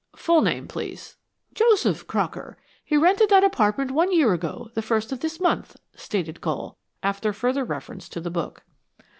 "Full name, please." "Joseph Crocker. He rented that apartment one year ago the first of this month," stated Cole, after further reference to the book.